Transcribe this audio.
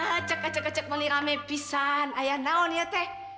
ah cek cek cek melirame pisan ayah naon ya teh